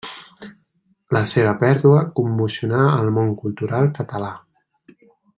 La seva pèrdua commocionà el món cultural català.